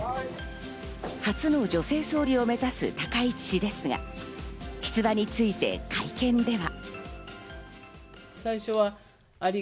初の女性総理を目指す高市氏ですが、出馬について会見では。